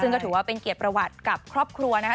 ซึ่งก็ถือว่าเป็นเกียรติประวัติกับครอบครัวนะคะ